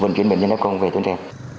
vận chuyển bệnh nhân f về tuần trẻ